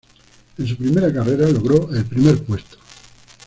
En su primera carrera logró el primer puesto.